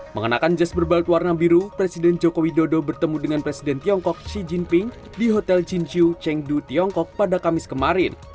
mengenakan jas berbalut warna biru presiden jokowi dodo bertemu dengan presiden tiongkok xi jinping di hotel chin chu chengdu tiongkok pada kamis kemarin